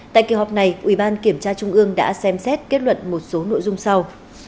tại kỳ họp này ủy ban kiểm tra trung ương đã xem xét kết luận một số nội dung sau